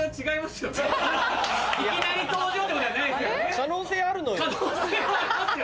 可能性あるのよ。